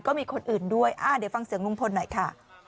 ก็มีคนอื่นด้วยเดี๋ยวฟังเสียงลุงพลหน่อยค่ะ